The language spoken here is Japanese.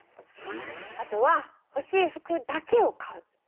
あとはほしい服だけを買う。